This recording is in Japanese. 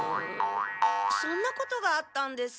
そんなことがあったんですか。